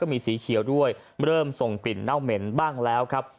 มีสีเขียวด้วยเริ่มส่งกลิ่นเน่าเหม็นบ้างแล้วครับ